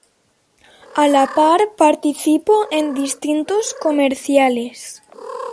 A la par participó en distintos comerciales.